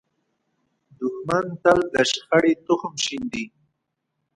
دښمن تل د شخړې تخم شیندي